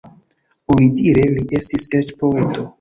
Onidire li estis eĉ poeto.